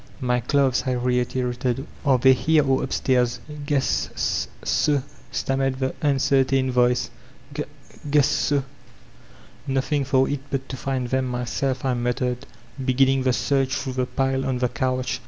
"My clothes/' I reiterated; ''are they here or up stairs? "Guess s so/' stammered the tmcertain voice, "g guess ''Nothing for it but to find them myself/' I mattered, beginning the search through the pile on the couch.